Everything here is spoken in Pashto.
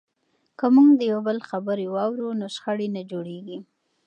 که موږ د یو بل خبرې واورو نو شخړې نه جوړیږي.